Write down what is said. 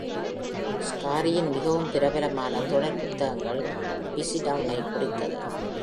ஸ்காரியின் மிகவும் பிரபலமான தொடர் புத்தகங்கள் பிஸிடவுனை குறித்தது.